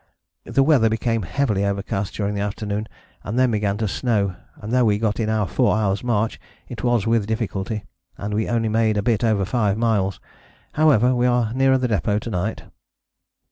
The weather became heavily overcast during the afternoon and then began to snow, and though we got in our 4 hours' march it was with difficulty, and we only made a bit over 5 miles. However, we are nearer the depôt to night."